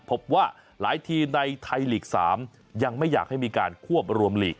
พบว่าหลายทีมในไทยลีก๓ยังไม่อยากให้มีการควบรวมหลีก